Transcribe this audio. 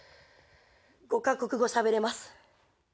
５か国語しゃべれます。